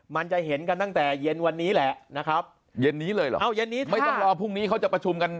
มันจะเห็นกันตั้งแต่เย็นวันนี้แหละนะครับเย็นนี้เลยเหรอเอ้าเย็นนี้ไม่ต้องรอพรุ่งนี้เขาจะประชุมกัน